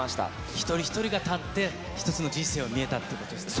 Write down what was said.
一人一人が立って、一つの人生を見えたということですね。